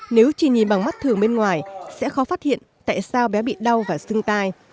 nếu chỉ nhìn bằng mắt thường bên ngoài sẽ khó phát hiện tại sao bé bị đau và sưng tai